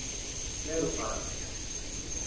helpas